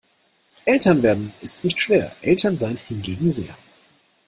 Eltern werden ist nicht schwer, Eltern sein hingegen sehr.